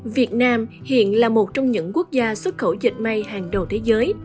việt nam hiện là một trong những quốc gia xuất khẩu dệt may hàng đầu thế giới